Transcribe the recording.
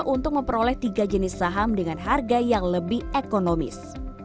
untuk memperoleh tiga jenis saham dengan harga yang lebih ekonomis